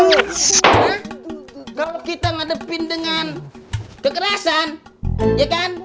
kalau kita ngadepin dengan kekerasan ya kan